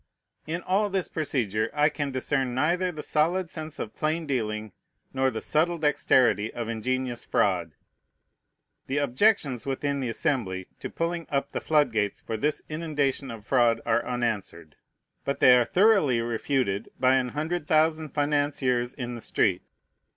In all this procedure I can discern neither the solid sense of plain dealing nor the subtle dexterity of ingenious fraud. The objections within the Assembly to pulling up the flood gates for this inundation of fraud are unanswered; but they are thoroughly refuted by an hundred thousand financiers in the street.